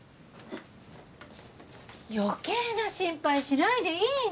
余計な心配しないでいいのよ。